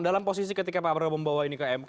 dalam posisi ketika pak prabowo membawa ini ke mk